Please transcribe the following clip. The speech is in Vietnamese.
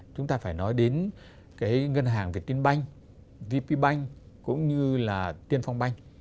chúng ta phải nói đến cái ngân hàng việt tiên banh vp bank cũng như là tiên phong banh